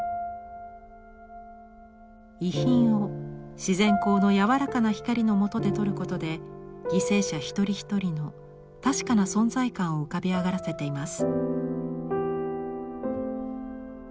遺品を自然光の柔らかな光のもとで撮ることで犠牲者一人一人の確かな存在感を浮かび上がらせています。